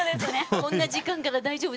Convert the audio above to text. こんな時間から大丈夫でしたか？